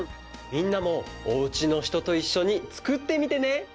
みんなもおうちのひとといっしょにつくってみてね！